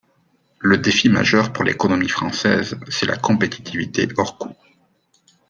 Le défi majeur pour l’économie française, c’est la compétitivité hors coût.